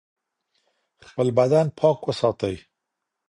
خپل بدن پاک وساتئ.